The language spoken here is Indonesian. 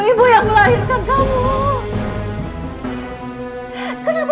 ibu yang melahirkan kamu